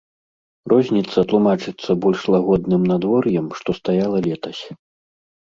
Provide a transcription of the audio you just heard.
Розніца тлумачыцца больш лагодным надвор'ем, што стаяла летась.